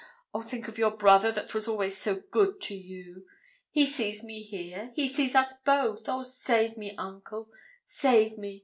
Oh, think of your brother that was always so good to you! He sees me here. He sees us both. Oh, save me, uncle save me!